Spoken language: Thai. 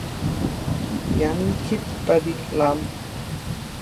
ยั้งคิดประดิษฐ์รำ